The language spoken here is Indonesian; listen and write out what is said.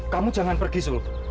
kamu jangan pergi sul